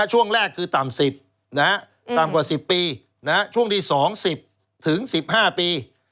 ช่วงแรกคือต่ำ๑๐ต่ำกว่า๑๐ปีช่วงที่๒๐ถึง๑๕ปี